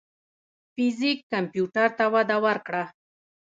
فزیک کمپیوټر ته وده ورکړه.